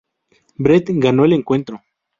Bret ganó el encuentro.